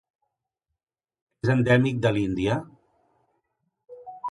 És endèmic de l'Índia.